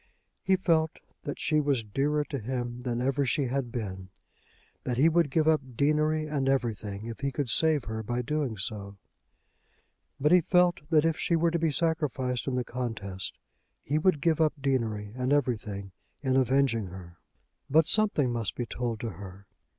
He felt that she was dearer to him than ever she had been, that he would give up deanery and everything if he could save her by doing so. But he felt that if she were to be sacrificed in the contest, he would give up deanery and everything in avenging her. But something must be told to her.